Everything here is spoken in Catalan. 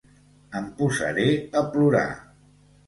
Em posaré a plorar.